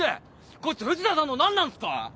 こいつ藤田さんの何なんすか！？